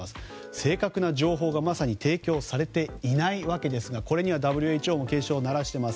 正確な情報が提供されていないわけですがこれにはＷＨＯも警鐘を鳴らしています。